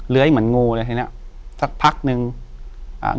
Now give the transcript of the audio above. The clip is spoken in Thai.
อยู่ที่แม่ศรีวิรัยยิวยวลครับ